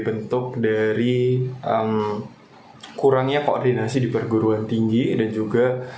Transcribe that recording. bentuk dari kurangnya koordinasi di perguruan tinggi dan juga